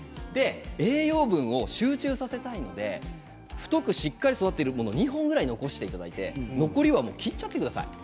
栄養分を集中させたいので太くしっかり育っているものを２本ぐらい残していただいて残りは切ってしまってください。